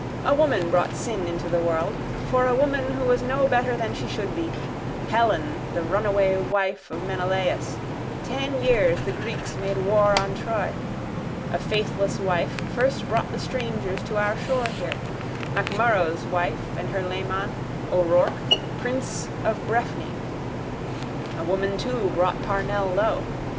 A woman brought sin into the world. For a woman who was no better than she should be, Helen, the runaway wife of Menelaus, ten years the Greeks made war on Troy. A faithless wife first brought the strangers to our shore here, MacMurrough's wife and her leman, O'Rourke, prince of Breffni. A woman too brought Parnell low.